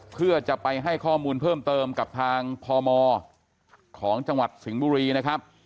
เพื่อจะไปให้ข้อมูลเพิ่มเติมกับทางพมของจังหวัดสิงห์บุรีนะครับ